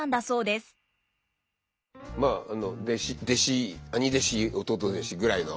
弟子兄弟子弟弟子ぐらいの。